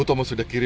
pada saat ini